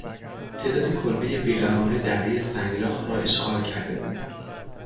تعدادی کلبهی بیقواره درهی سنگلاخ را اشغال کرده بود.